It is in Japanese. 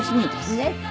ねっ。